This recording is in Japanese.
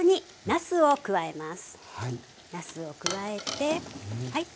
なすを加えてはい。